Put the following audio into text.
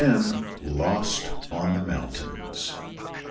LOST ON THE MOUNTAINS.